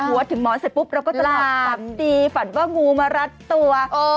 หัวถึงหมอนเสร็จปุ๊บแล้วรอบสันดีฝันว่างูมารัดตัว